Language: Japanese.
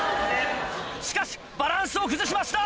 しかしバランスを崩しました。